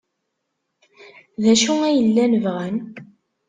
D acu ay llan bɣan?